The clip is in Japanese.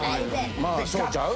まあそうちゃう？